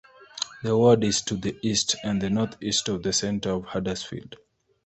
The ward is to the east and the northeast of the centre of Huddersfield.